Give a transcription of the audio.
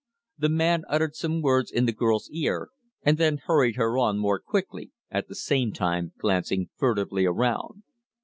The man uttered some words in the girl's ear, and then hurried her on more quickly, at the same time glancing furtively around.